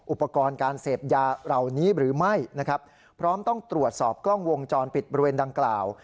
อุปกรณ์การเสพยาเหล่านี้หรือไม่นะครับพร้อมต้องตรวจสอบกล้องวงจรปิดบริเวณดังกล่าว